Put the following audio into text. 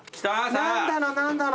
何だろ何だろ。